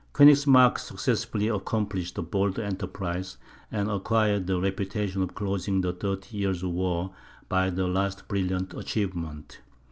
Koenigsmark successfully accomplished the bold enterprise, and acquired the reputation of closing the thirty years' war by the last brilliant achievement.